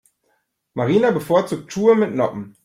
Marina bevorzugt Schuhe mit Noppen.